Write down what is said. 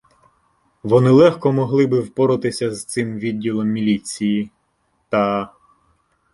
Вони легко могли би впоратися з цим відділом міліції, та.